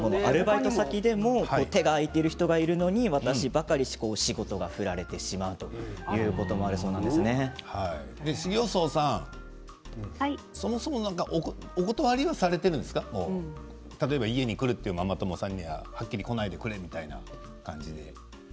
アルバイト先でも手が空いてる人がいるのに私ばっかりすごく振られるという修行僧さん、そもそもお断りはされているんですか例えば家に来るというママ友さんには、はっきり来ないでくれみたいな感じで。